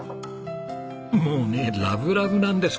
もうねラブラブなんです